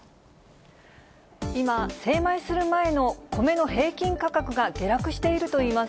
今、精米する前の米の平均価格が下落しているといいます。